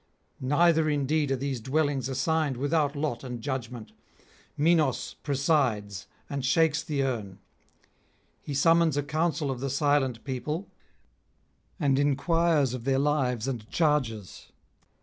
Neither indeed are these dwellings assigned without lot and judgment; Minos presides and shakes the urn; he summons a council of the silent people, and inquires of their lives and charges.